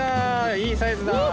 いいサイズだ！